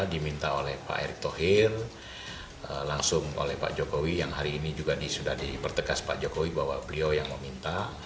diminta oleh pak erick thohir langsung oleh pak jokowi yang hari ini juga sudah dipertegas pak jokowi bahwa beliau yang meminta